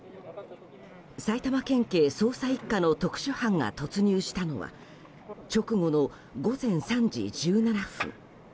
埼玉県警捜査１課の特殊班が突入したのは直後の午前３時１７分。